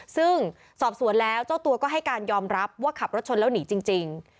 ซึ่งสอบสวนแล้วเจ้าตัวก็ให้การยอมรับว่าขับรถชนแล้วหนีจริง